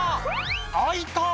開いた！